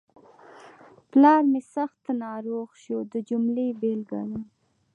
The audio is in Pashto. پلار مې سخت ناروغ شو د جملې بېلګه ده.